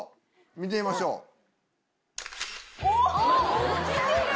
見てみましょう。